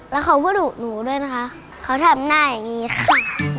แล้วเขาก็ดุหนูด้วยนะคะเขาทำหน้าอย่างนี้ค่ะ